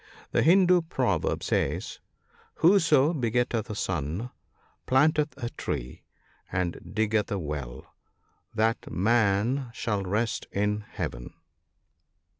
The Hindoo proverb says, " Whoso begetteth a son, planteth a tree, and diggeth a well ; that man shall rest in Heaven."